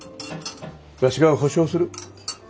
わしが保証する。